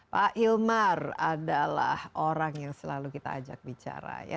pak hilmar adalah orang yang selalu kita ajak bicara ya